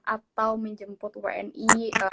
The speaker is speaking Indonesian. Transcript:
atau menjemput wni